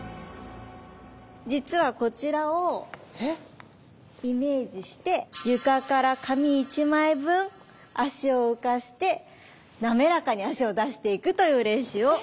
実はこちらをイメージして床から紙１枚分足を浮かせて滑らかに足を出していくという練習を今日はしていきたいと思います。